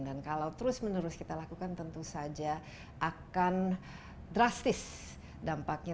dan kalau terus menerus kita lakukan tentu saja akan drastis dampaknya